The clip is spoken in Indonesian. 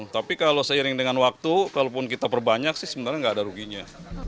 tapi kalau seiring dengan waktu kalaupun kita perbanyak sih sebenarnya nggak ada ruginya